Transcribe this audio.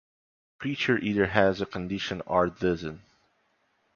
A creature either has a condition or doesn’t.